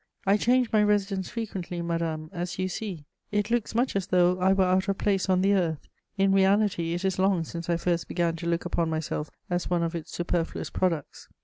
I change my residence frequently, madame, as you see; it looks much as though I were out of place on the earth: in reality, it is long since I first began to look upon myself as one of its superfluous products.